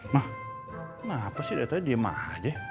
ma kenapa si dato'nya diem aja